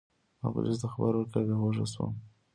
ما پولیسو ته خبر ورکړ او بې هوښه شوم.